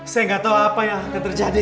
saya nggak tahu apa yang akan terjadi